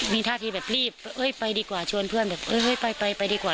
มีท่าทีแบบรีบเอ้ยไปดีกว่าชวนเพื่อนแบบเอ้ยไปไปดีกว่า